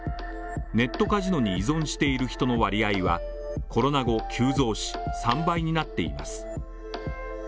ネットカジノに依存している人の割合は、コロナ後急増し、３倍になっています。